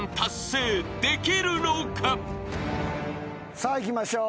さあいきましょう。